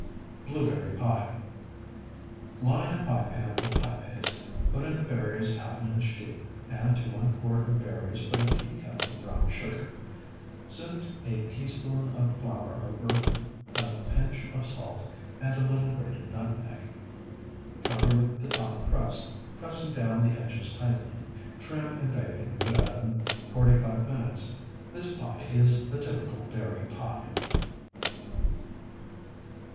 BLUEBERRY PIE Line a pie pan with pie paste. Put in the berries half an inch deep, and to one quart of berries put a teacup of brown sugar; sift a teaspoonful of flour over, a pinch of salt, and a little grated nutmeg. Cover with the top crust, pressing down the edges tightly. Trim and bake in a good oven forty five minutes. This pie is the typical berry pie.